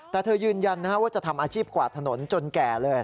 แต่เธอยืนยันว่าจะทำอาชีพกวาดถนนจนแก่เลย